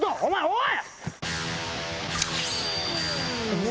おい！